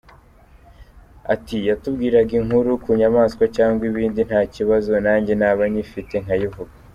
Ati “Yatubwiraga inkuru ku nyamaswa cyangwa ibindi nta kibazo, nanjye naba nyifite nkayivuga.